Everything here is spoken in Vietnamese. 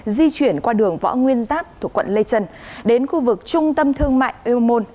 di chuyển qua đường võ nguyên giáp thuộc quận lê trân đến khu vực trung tâm thương mại eumon